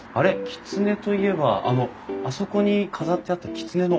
きつねといえばあのあそこに飾ってあったきつねのお面。